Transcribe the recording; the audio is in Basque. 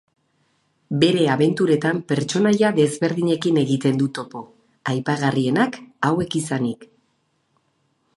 Bere abenturetan pertsonaia desberdinekin egiten du topo, aipagarrienak hauek izanik.